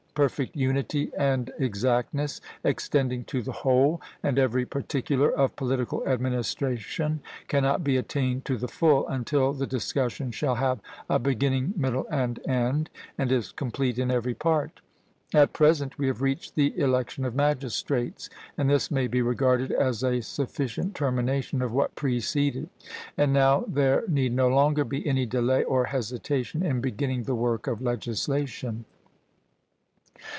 Perfect unity and exactness, extending to the whole and every particular of political administration, cannot be attained to the full, until the discussion shall have a beginning, middle, and end, and is complete in every part. At present we have reached the election of magistrates, and this may be regarded as a sufficient termination of what preceded. And now there need no longer be any delay or hesitation in beginning the work of legislation.